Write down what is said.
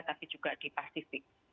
tapi juga di pasifik